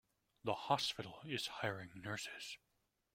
The hospital is hiring nurses.